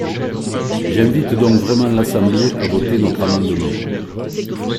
J’invite donc vraiment l’Assemblée à voter notre amendement.